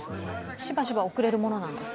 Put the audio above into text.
しばしば遅れるものなんですか？